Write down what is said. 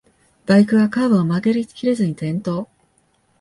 バイクがカーブを曲がりきれずに転倒